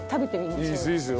いいですよ。